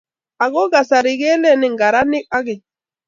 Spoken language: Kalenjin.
Ako kasari keleni ngaranik akeny.